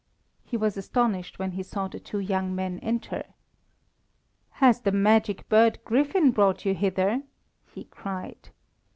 He was astonished when he saw the two young men enter. "Has the magic bird griffin brought you hither?" he cried.